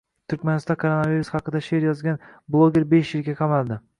Turkmanistonda koronavirus haqida she’r yozgan blogerbeshyilga qamaldi